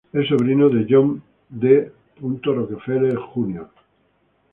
Es el sobrino de John D. Rockefeller Jr.